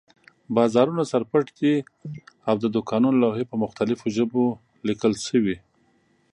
بازارونه سر پټ دي او د دوکانونو لوحې په مختلفو ژبو لیکل شوي.